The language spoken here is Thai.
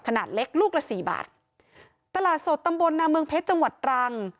ขนาดเล็กลูกละสี่บาทตลาดสดตำบลนาเมืองเพชรจังหวัดตรัง